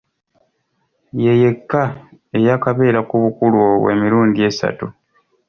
Ye yekka eyaakabeera ku bukulu obwo emirundi esatu.